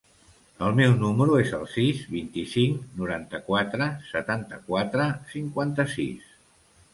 El meu número es el sis, vint-i-cinc, noranta-quatre, setanta-quatre, cinquanta-sis.